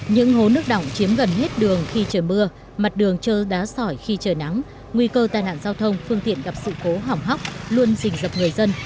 những hố nước đỏng chiếm gần hết đường khi trời mưa mặt đường trơ đá sỏi khi trời nắng nguy cơ tai nạn giao thông phương tiện gặp sự cố hỏng hóc luôn dình dập người dân